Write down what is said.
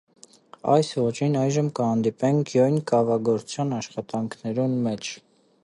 Այս ոճին այժմ կը հանդիպինք յոյն կաւագործներուն աշխատանքներուն մէջ։